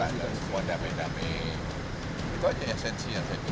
itu aja esensi yang saya pikirkan